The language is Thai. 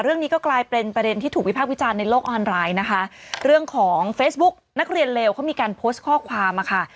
เรื่องนี้ก็กลายเป็นประเด็นที่ถูกวิพากษ์วิจารณ์ในโลกออนไลน์นะคะเรื่องของเฟซบุ๊กนักเรียนเลวเขามีการโพสต์ข้อความอะค่ะ